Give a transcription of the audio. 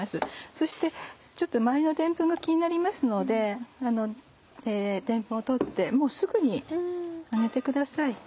そしてちょっと周りのでんぷんが気になりますのででんぷんを取ってもうすぐに上げてください。